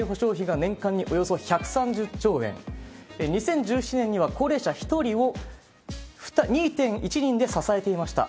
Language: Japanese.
介護や年金に充てられる社会保障費が年間におよそ１３０兆円、２０１７年には、高齢者１人を２．１人で支えていました。